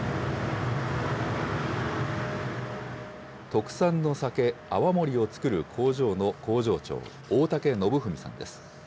特産の酒、泡盛を造る工場の工場長、大嵩長史さんです。